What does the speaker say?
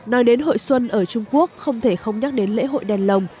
nói đến hội xuân ở trung quốc không thể không nhắc đến lễ hội đèn lồng